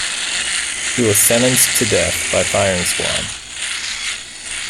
He was sentenced to death by firing squad.